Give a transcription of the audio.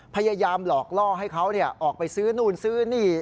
พยายามหลอกล่อให้เขาออกไปซื้อนู่นซื้อนี่